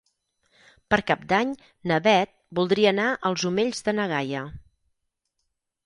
Per Cap d'Any na Bet voldria anar als Omells de na Gaia.